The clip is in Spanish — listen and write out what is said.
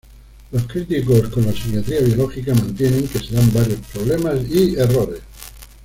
Los críticos con la psiquiatría biológica mantiene que se dan varios problemas y errores.